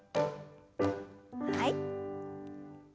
はい。